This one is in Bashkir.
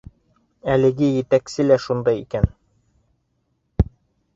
Әлеге етәксе лә шундай икән.